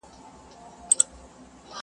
o اوبه په کمزورې ورخ ماتېږي٫